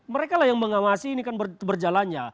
mereka lah yang mengawasi ini kan berjalannya